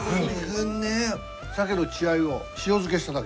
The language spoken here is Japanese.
サケの血合いを塩漬けしただけ。